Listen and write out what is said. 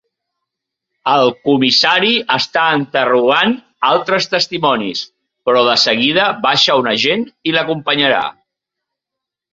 El comissari està interrogant altres testimonis, però de seguida baixa un agent i l'acompanyarà.